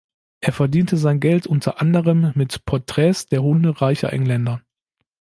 Er verdiente sein Geld unter anderem mit Porträts der Hunde reicher Engländer.